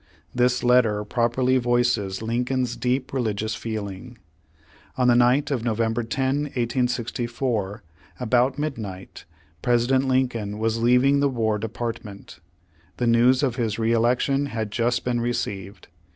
This letter properly voices Lincoln's deep religious feeling. On the night of November 10, 1864, about mid night, President Lincoln was leaving the War Department. The news of his re election had just been received.